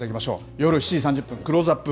夜７時３０分、クローズアップ